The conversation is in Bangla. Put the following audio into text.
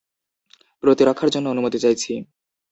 প্রতিরক্ষার জন্য অনুমতি চাইছি!